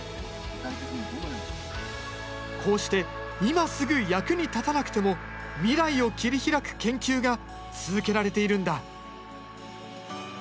こうして今すぐ役に立たなくても未来を切り開く研究が続けられているんだ。